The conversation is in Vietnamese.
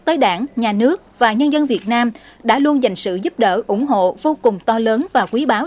tới đảng nhà nước và nhân dân việt nam đã luôn dành sự giúp đỡ ủng hộ vô cùng to lớn và quý báo